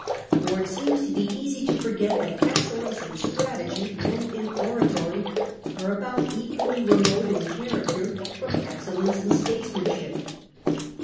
For it seems to be easy to forget that excellence in strategy and in oratory are about equally remote in character from excellence in statesmanship.